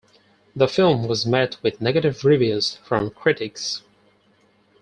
The film was met with negative reviews from critics.